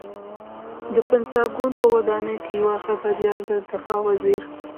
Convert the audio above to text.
د پنټاګون په ودانۍ کې یوه خبریال له دفاع وزیر